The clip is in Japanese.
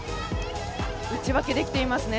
打ち分けできていますね。